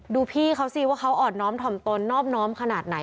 พี่เขาสิว่าเขาอ่อนน้อมถ่อมตนนอบน้อมขนาดไหน